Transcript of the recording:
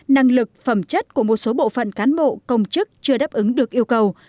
năng lực phẩm chất của một số bộ phận cán bộ công chức chưa đáp ứng được yêu cầu